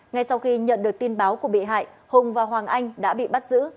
ngay sau khi nhận được tin báo của bị hại hùng và hoàng anh đã bị bắt giữ